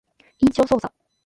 印象操作